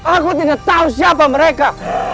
aku tidak tahu siapa mereka